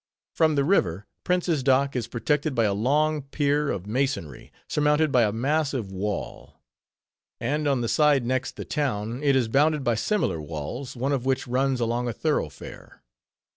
From the river, Prince's Dock is protected by a long pier of masonry, surmounted by a massive wall; and on the side next the town, it is bounded by similar walls, one of which runs along a thoroughfare.